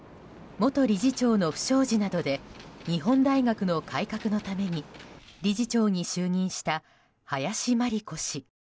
元理事長の不祥事などで日本大学の改革のために理事長に就任した林真理子氏。